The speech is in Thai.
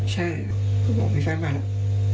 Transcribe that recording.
ใช่ผมมันไฟล์มาแล้ว